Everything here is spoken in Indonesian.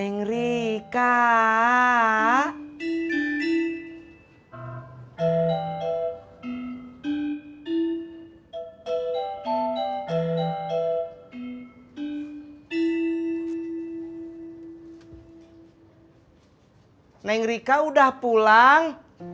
berarti neng rika belum pulang